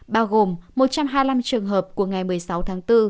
bao gồm một trăm hai mươi năm trường hợp của ngày một mươi sáu tháng bốn